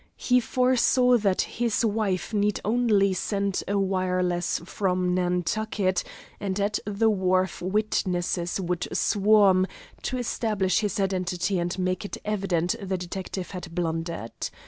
He foresaw that his friend need only send a wireless from Nantucket and at the wharf witnesses would swarm to establish his identity and make it evident the detective had blundered.